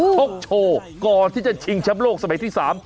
ชกโชว์ก่อนที่จะชิงแชมป์โลกสมัยที่๓